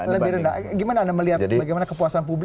gimana anda melihat bagaimana kepuasan publik